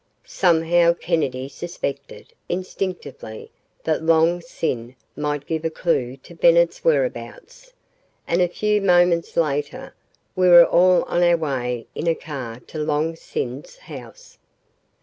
Somehow, Kennedy suspected, instinctively, that Long Sin might give a clue to Bennett's whereabouts, and a few moments later, we were all on our way in a car to Long Sin's house.